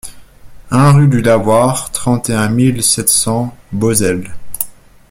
un rUE DU LAVOIR, trente et un mille sept cents Beauzelle